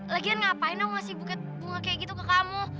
lagian ngapain dong ngasih bukit bunga kayak gitu ke kamu